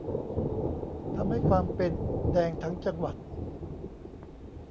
ทำให้ความเป็น "แดงทั้งจังหวัด"